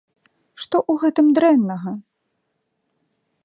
Што ў гэтым дрэннага?!